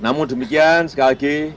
namun demikian sekali lagi